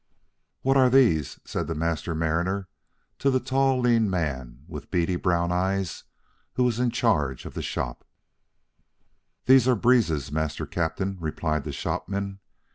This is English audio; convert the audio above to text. "What are these?" said the Master Mariner to a tall, lean man with beady, brown eyes who was in charge of the shop. "These are breezes, Master Captain," replied the shopman.